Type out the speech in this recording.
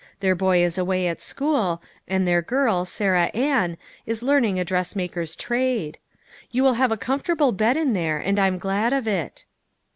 Their boy is away at school, and their girl, Sarah Ann, is learning a dressmaker's trade. You will have a comfort able bed in there, and I'm glad of it."